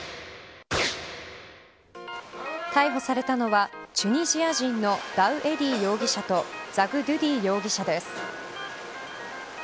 逮捕されたのはチュニジア人のダウエディ容疑者とザグドゥディ容疑者です。